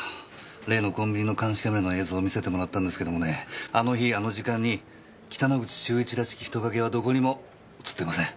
例のコンビニの監視カメラの映像を見せてもらったんですけどもねあの日あの時間に北之口秀一らしき人影はどこにも映ってません。